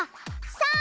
さあ！